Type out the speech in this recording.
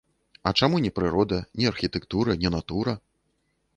А чаму не прырода, не архітэктара, не натура?